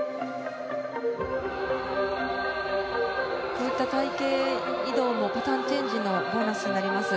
こういった隊形移動もパターンチェンジのボーナスになります。